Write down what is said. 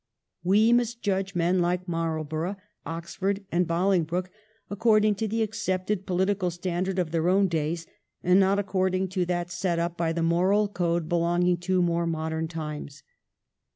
We must judge men like Marlborough, Oxford, and Bolingbroke according to the accepted pohtical standard of their own days, and not accord ing to that set up by the moral code belonging to more modern times.